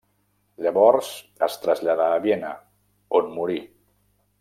Llavors es traslladà a Viena, on morí.